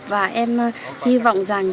và em hy vọng rằng